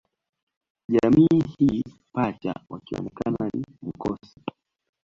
Jamii hii Pacha wakionekana ni mkosi